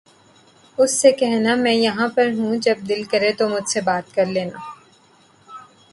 اسے کہنا ماں یہاں پر ہوں جب دل کرے تو مجھ سے بات کر لینا